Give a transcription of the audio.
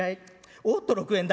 おっと６円だ。